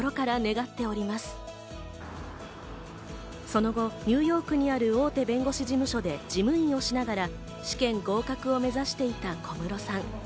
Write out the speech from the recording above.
その後、ニューヨークにある大手弁護士事務所で事務員をしながら試験合格を目指していた小室さん。